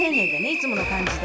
いつもの感じで。